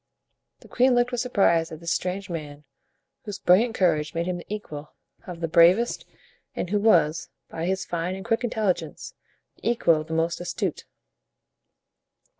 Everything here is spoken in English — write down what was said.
The queen looked with surprise at this strange man, whose brilliant courage made him the equal of the bravest, and who was, by his fine and quick intelligence, the equal of the most astute.